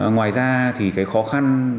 ngoài ra thì cái khó khăn